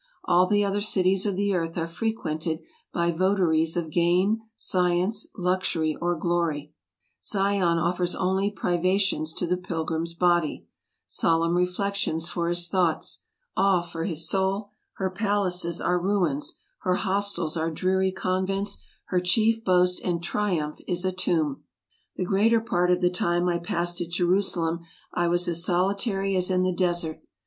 All the other cities of the earth are frequented by votaries of gain, science, luxury, or glory; Zion offers only privations to the pilgrim's body, solemn reflections for his thoughts, awe for his soul; her palaces are ruins, her hostels are dreary con vents, her chief boast and triumph is a Tomb. The greater part of the time I passed at Jerusalem I was as solitary as in the desert.